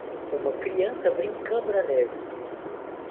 uma criança brincando na neve.